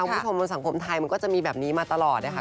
คุณผู้ชมบนสังคมไทยมันก็จะมีแบบนี้มาตลอดนะคะ